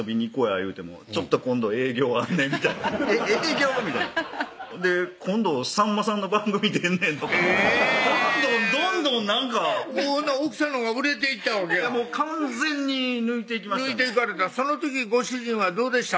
言うても「ちょっと今度営業あんねん」みたいな「営業⁉」みたいな「今度さんまさんの番組出んねん」とかえぇっどんどんどんどんなんか奥さんのほうが売れていったわけやもう完全に抜いていきましたね抜いていかれたその時ご主人はどうでした？